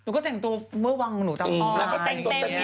หนูก็แต่งตัวเเมื่อวางหนูเต่ามายเเรลแน่งเต่งตัวแต่งแน่ง